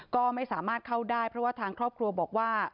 ก็ไม่สามารถเข้าได้เพราะว่าทางครอบครัวบอกว่า